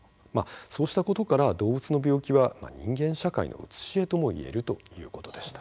そうしたことから動物の病気は人間社会の写し絵ともいえるということでした。